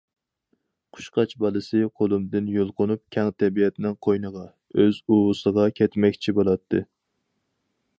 قۇشقاچ بالىسى قولۇمدىن يۇلقۇنۇپ كەڭ تەبىئەتنىڭ قوينىغا، ئۆز ئۇۋىسىغا كەتمەكچى بولاتتى.